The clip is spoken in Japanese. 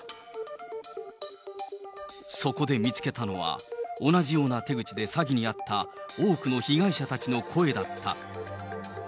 そこで見つけたのは、同じような手口で詐欺に遭った多くの被害者たちの声だった。